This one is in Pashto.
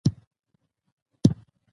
په ټپوس کي د باز خویونه نه وي.